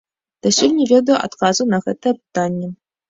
Дасюль не ведаю адказу на гэтае пытанне.